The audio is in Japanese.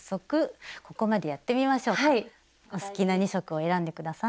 お好きな２色を選んで下さい。